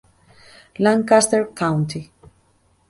Lancaster county.